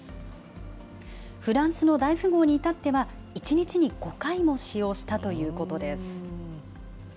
フランスの大富豪に至っては、１日に５回も使用したということです。